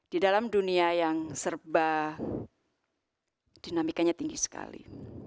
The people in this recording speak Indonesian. di dalam dunia yang serba dinamikanya tinggi sekali